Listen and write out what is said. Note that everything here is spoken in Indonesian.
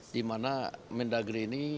dimana mendagri ini membuat deskorona